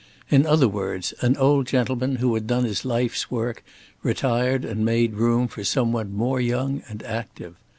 In other words an old gentleman who had done his life's work retired and made room for some one more young and active.